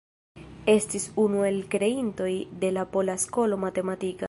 Estis unu el kreintoj de la pola skolo matematika.